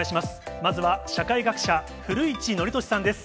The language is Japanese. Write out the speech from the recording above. まずは社会学者、古市憲寿さんです。